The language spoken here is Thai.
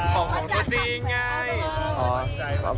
ของผู้จริง